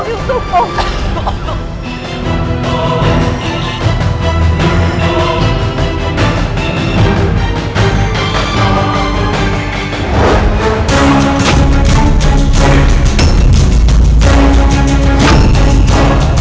ibu nda pasti akan mencabikannya